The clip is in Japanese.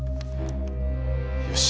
よし。